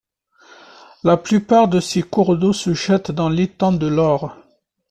La plupart de ses cours d'eau se jettent dans l'étang de l'Or.